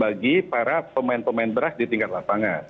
bagi para pemain pemain beras di tingkat lapangan